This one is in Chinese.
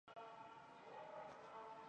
附加赛进球没有被计算在内。